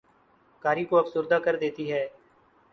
قاری کو افسردہ کر دیتی ہے